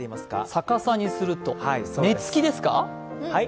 逆さにするとねつきですか？